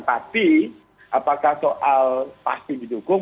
tapi apakah soal pasti didukung